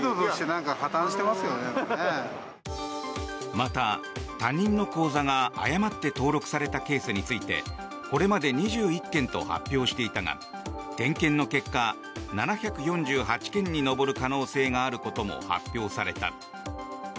また、他人の口座が誤って登録されたケースについてこれまで２１件と発表していたが点検の結果、７４８件に上る可能性があることも発表された。